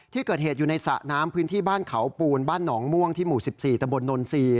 ที่เกิดเหตุอยู่ในสระน้ำพื้นที่บ้านเขาปูนบ้านหนองม่วงที่หมู่๑๔ตะบนนนทรีย์